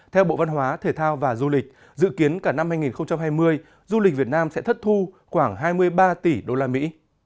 theo bộ văn hóa thể thao và du lịch dự kiến cả năm hai nghìn hai mươi du lịch việt nam sẽ thất thu khoảng hai mươi ba tỷ đô la mỹ